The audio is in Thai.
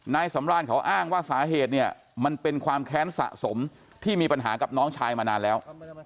นายสำรานเขาอ้างว่าสาเหตุเนี่ยมันเป็นความแค้นสะสมที่มีปัญหากับน้องชายมานานแล้ว